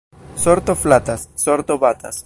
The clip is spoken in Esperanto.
Sorto flatas, sorto batas.